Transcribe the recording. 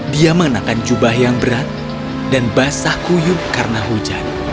dia mengenakan jubah yang berat dan basah kuyuk karena hujan